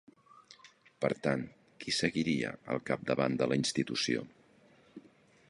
Per tant, qui seguiria al capdavant de la institució?